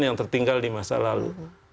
yang tertinggal di masa lalu